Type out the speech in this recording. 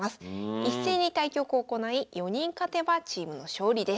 一斉に対局を行い４人勝てばチームの勝利です。